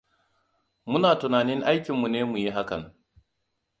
Muna tunanin aikinmu ne mu yi hakan.